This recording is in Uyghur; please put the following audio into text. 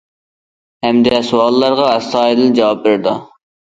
ھەمدە سوئاللارغا ئەستايىدىل جاۋاب بېرىدۇ.